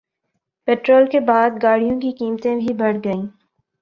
petrol کے بعد گاڑیوں کی قیمتیں بھی بڑھ گئیں